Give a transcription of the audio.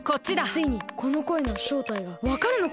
ついにこのこえのしょうたいがわかるのか？